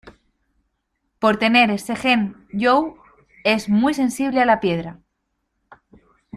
Por tener este gen Joe es muy sensible a la piedra.